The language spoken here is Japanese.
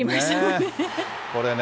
これね。